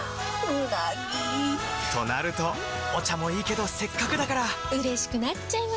うなぎ！となるとお茶もいいけどせっかくだからうれしくなっちゃいますか！